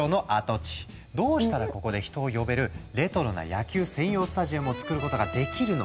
どうしたらここで人を呼べるレトロな野球専用スタジアムを作ることができるのか？